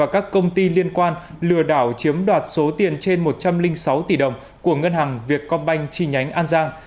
các công ty liên quan lừa đảo chiếm đoạt số tiền trên một trăm linh sáu tỷ đồng của ngân hàng việt công banh chi nhánh an giang